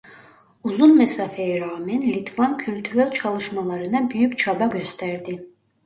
Uzun mesafeye rağmen Litvan kültürel çalışmalarına büyük çaba gösterdi.